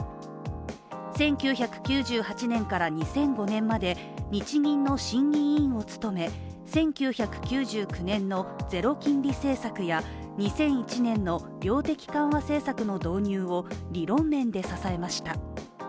１９９８年から２００５年まで日銀の審議委員を務め１９９９年のゼロ金利政策や、２００１年の量的緩和政策の導入を理論面で支えました。